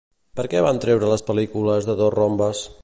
Per què van treure les pel·lícules de dos rombes?